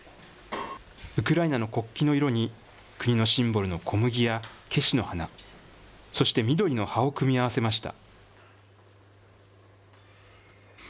ウクライナの国旗の色に、国のシンボルの小麦やけしの花、そして緑の葉を組み合わせました。